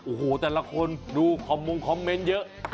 โอ้โหแต่ละคนดูคอมมงคอมเมนต์เยอะ